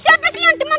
siapa sih yang demam